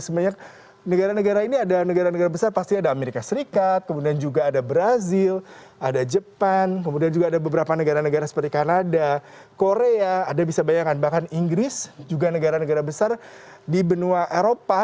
sebenarnya negara negara ini ada negara negara besar pasti ada amerika serikat kemudian juga ada brazil ada jepang kemudian juga ada beberapa negara negara seperti kanada korea ada bisa bayangkan bahkan inggris juga negara negara besar di benua eropa